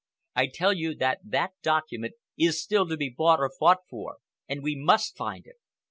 I tell you that that document is still to be bought or fought for, and we must find it.